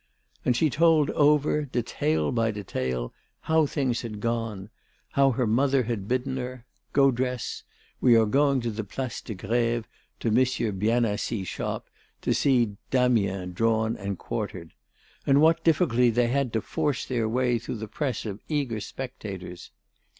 And she told over, detail by detail, how things had gone, how her mother had bidden her: "Go dress. We are going to the Place de Grève, to Monsieur Bienassis' shop, to see Damiens drawn and quartered," and what difficulty they had to force their way through the press of eager spectators.